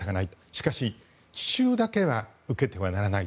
しかし、奇襲だけは受けてはならない。